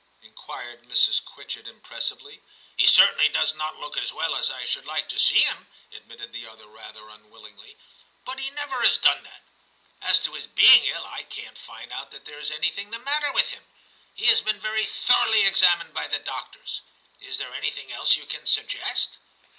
' inquired Mrs. Quitchett impressively. * He certainly does not look as well as I should like to see him,' admitted the other rather unwillingly, *but he never has done that. As to his being ill, I can't find out that there is anything the matter with him ; he has been very thoroughly examined by the doctors. Is there anything else you can suggest